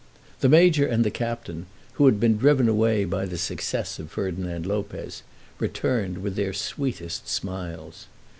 The Major and the Captain, who had been driven away by the success of Ferdinand Lopez, returned with their sweetest smiles.